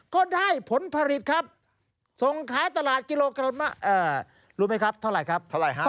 ก็ได้ผลผลิตครับส่งขายตลาดกิโลกรมรู้ไหมครับเท่าไหร่ครับ